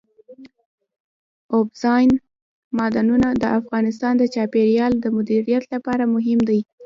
اوبزین معدنونه د افغانستان د چاپیریال د مدیریت لپاره مهم دي.